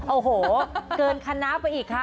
โอ้โหเกินคณะไปอีกค่ะ